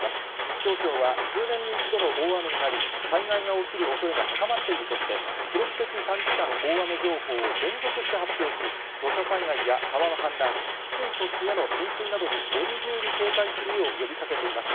気象庁は、数年に一度の大雨になり、災害が起きるおそれが高まっているとして、記録的短時間大雨情報を連続して発表し、土砂災害や川の氾濫、低い土地への浸水などに厳重に警戒するよう呼びかけています。